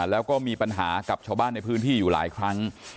แล้วก็มีปัญหากับชาวบ้านในพื้นที่อยู่หลายครั้ง